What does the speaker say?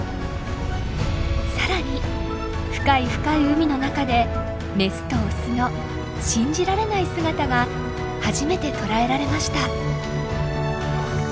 更に深い深い海の中でメスとオスの信じられない姿が初めて捉えられました。